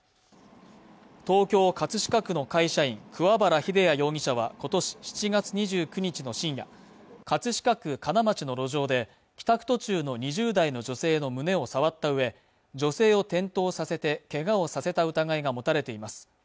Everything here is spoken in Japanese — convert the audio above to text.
東京葛飾区の会社員桑原秀弥容疑者はことし７月２９日の深夜葛飾区金町の路上で帰宅途中の２０代の女性の胸を触ったうえ女性を転倒させてけがをさせた疑いが持たれています